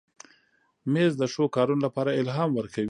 مېز د ښو کارونو لپاره الهام ورکوي.